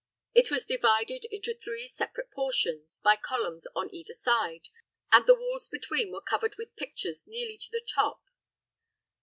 It was divided into three separate portions, by columns on either side, and the walls between were covered with pictures nearly to the top.